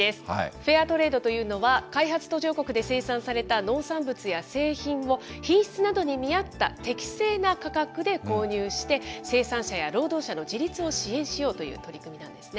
フェアトレードというのは、開発途上国で生産された農産物や製品を、品質などに見合った適正な価格で購入して、生産者や労働者の自立を支援しようという取り組みなんですね。